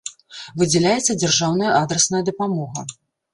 Выдзяляецца дзяржаўная адрасная дапамога.